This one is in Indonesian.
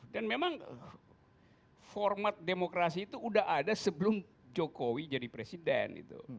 dan memang format demokrasi itu udah ada sebelum jokowi jadi presiden